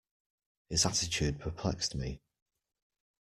His attitude perplexed me.